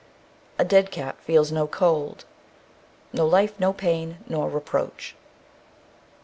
A dead cat feels no cold. No life, no pain, nor reproach.